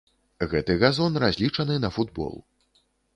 Гэты газон разлічаны на футбол.